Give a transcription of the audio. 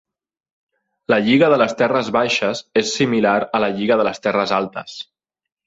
La lliga de les terres baixes és similar a la lliga de les terres altes.